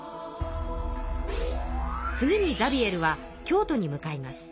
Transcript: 次にザビエルは京都に向かいます。